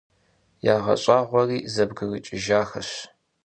ЯгъэщӀагъуэуи зэбгрыкӀыжахэщ.